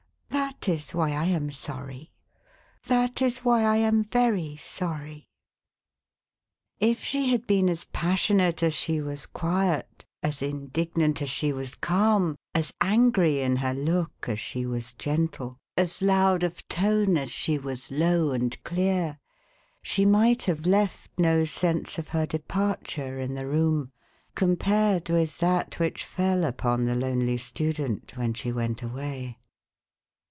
That is why I am sorry. That is why I am very sorry.1" If she had been as passionate as she was quiet, as indignant as she was calm, as angry in her look as she was gentle, as loud of tone as she was low and clear, she might have left no sense of her departure in the room, compared with that which fell upon the lonely student when she went away.